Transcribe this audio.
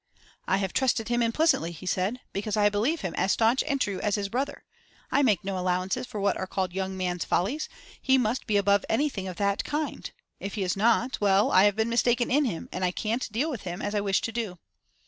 "I have trusted him implicitly," he said, "because I believe him as staunch and true as his brother. I make no allowances for what are called young man's follies: he must be above anything of that kind. If he is not well, I have been mistaken in him, and I can't deal with him as I wish to do."